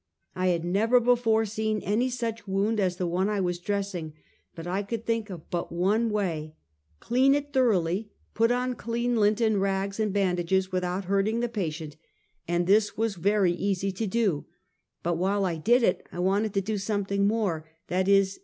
" I had never before seen any such wound as the one I was dressing, but I could think of but one way — clean it thoroughly, put on clean lint and rags and bandages, without hurting the patient, and this was 250 Half a Century. very easy to do; but M^liile I did this, I wanted to do something more, viz.